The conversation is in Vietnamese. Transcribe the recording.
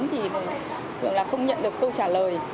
thì thường là không nhận được câu trả lời